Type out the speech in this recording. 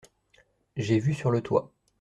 J’ai vu sur le toit.